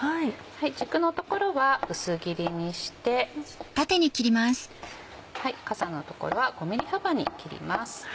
軸の所は薄切りにしてかさの所は５ｍｍ幅に切ります。